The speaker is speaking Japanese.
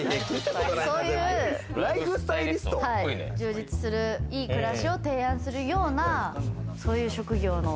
そういう充実するいい暮らしを提案するようなそういう職業の。